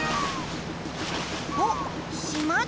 おっしまだ。